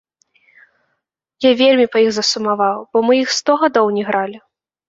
Я вельмі па іх засумаваў, бо мы іх сто гадоў не гралі.